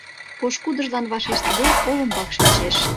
Пошкудыжлан вашештыде, олымбак шинчеш.